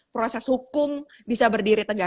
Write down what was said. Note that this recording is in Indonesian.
proses hukum bisa berdiri tegas